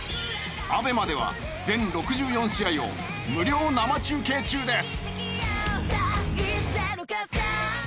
ＡＢＥＭＡでは全６４試合を無料生中継中です。